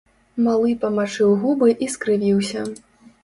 Малы памачыў губы і скрывіўся.